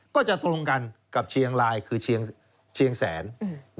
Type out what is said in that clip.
ก็จะตรงกันกับเชียงรายคือเชียงแสน